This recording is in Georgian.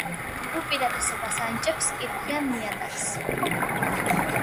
უპირატესობას ანიჭებს კირქვიან ნიადაგს.